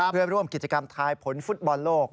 เพื่อร่วมกิจกรรมทายผลฟุตบอลโลก